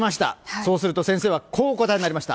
そうすると先生はこうお答えになりました。